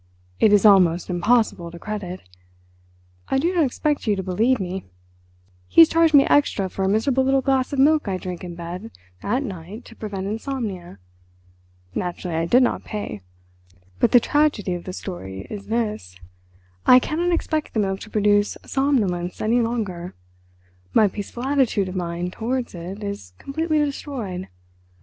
It is almost impossible to credit. I do not expect you to believe me—he has charged me extra for a miserable little glass of milk I drink in bed at night to prevent insomnia. Naturally, I did not pay. But the tragedy of the story is this: I cannot expect the milk to produce somnolence any longer; my peaceful attitude of mind towards it is completely destroyed.